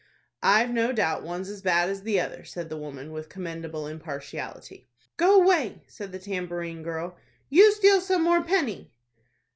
"I've no doubt one's as bad as the other," said the woman, with commendable impartiality. "Go 'way," said the tambourine girl; "you steal some more penny."